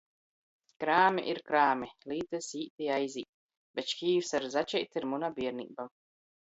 Krāmi ir krāmi. Lītys īt i aizīt. Bet škīvs ar začeiti ir muna bierneiba.